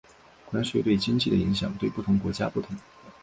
关税对经济的影响对不同国家不同。